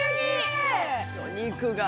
お肉が。